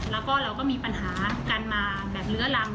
แล้วก็เราก็มีปัญหากันมาแบบเลื้อรัง